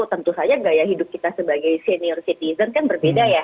tentu saja gaya hidup kita sebagai senior citizen kan berbeda ya